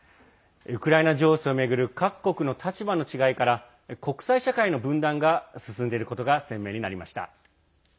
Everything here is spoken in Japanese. ウクライナ情勢を巡る各国の立場の違いから国際社会の分断が進んでいることが鮮明になりました。